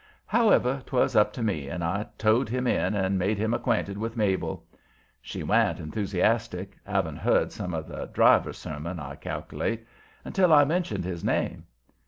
However, 'twas up to me, and I towed him in and made him acquainted with Mabel. She wa'n't enthusiastic having heard some of the driver sermon, I cal'late until I mentioned his name.